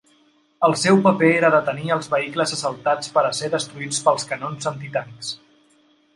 El seu paper era detenir els vehicles assaltants per a ser destruïts pels canons antitancs.